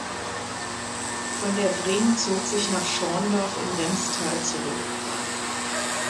Von der Vring zog sich nach Schorndorf im Remstal zurück.